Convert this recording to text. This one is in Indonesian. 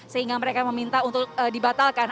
sehingga mereka meminta untuk dibatalkan